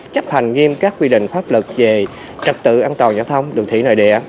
chấp hành nghiêm các quy định pháp luật về trật tự an toàn giao thông đường thủy nội địa